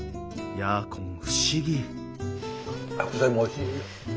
ヤーコン不思議。